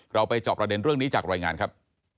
เราไปจอบประเด็นเรื่องนี้จากรายงานครับ